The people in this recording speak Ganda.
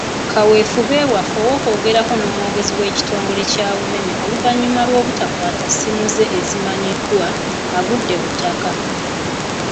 Kaweefube waffe okwogerako n'omwogezi w'ekitongole kya UMEME oluvannyuma lw'obutakwata ssimu ze ezimanyiddwa, agudde butaka.